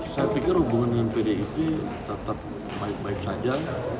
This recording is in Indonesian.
saya pikir hubungan dengan pdip tetap baik baik saja